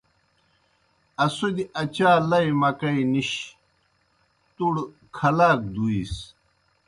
اسَودیْ اچا لئی مکئی نِش تُوْڑ کھلاک دُوِیس۔